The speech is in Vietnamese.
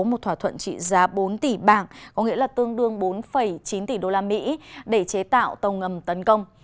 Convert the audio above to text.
một thỏa thuận trị giá bốn tỷ bảng có nghĩa là tương đương bốn chín tỷ đô la mỹ để chế tạo tàu ngầm tấn công